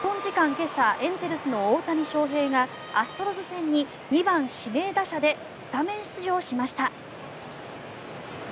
今朝エンゼルスの大谷翔平がアストロズ戦に２番指名打者でスタメン出場しました。